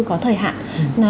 có thời hạn